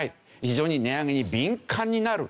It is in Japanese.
非常に値上げに敏感になる。